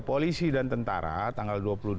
polisi dan tentara tanggal dua puluh dua